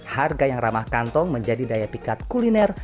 harga yang ramah kantong menjadi daya pikat kuliner